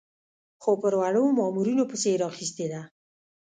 خو پر وړو مامورینو پسې یې راخیستې ده.